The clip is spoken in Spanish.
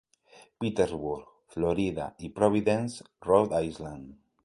Petersburg, Florida, y Providence, Rhode Island.